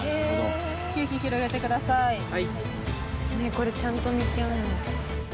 これちゃんと見極めないと。